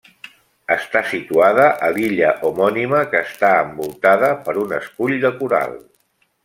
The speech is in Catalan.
Està situada a l'illa homònima, que està envoltada per un escull de coral.